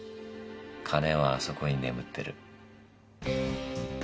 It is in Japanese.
金はあそこに眠ってる。